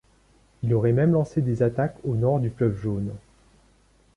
Il aurait même lancé des attaques au nord du fleuve Jaune.